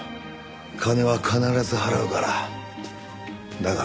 金は必ず払うからだから。